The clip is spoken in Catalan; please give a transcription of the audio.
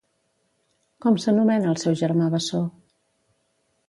Com s'anomena el seu germà bessó?